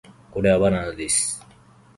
これはバナナです